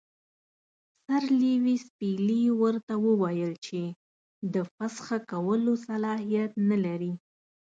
سر لیویس پیلي ورته وویل چې د فسخ کولو صلاحیت نه لري.